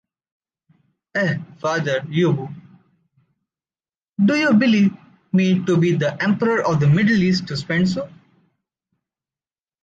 Eh Father Ubu! Do you believe me to be The emperor of the Middle East to spend so?